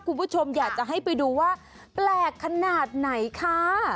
คุณผู้ชมอยากจะให้ไปดูว่าแปลกขนาดไหนค่ะ